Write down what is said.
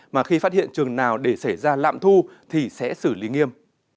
mà khi phát hiện trường nào để xảy ra lạm thu thì sẽ xử lý nghiêm